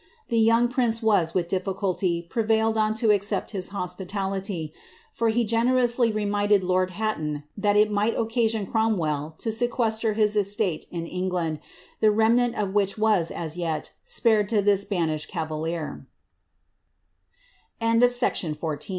The young prince was with difficulty pr on to accept his hospitality; for he generously reminded lord that it might occasion Cromwell to sequester his estate in Ei the remnant of which was, as yet, spared to this banished cavalie When Gloucester left the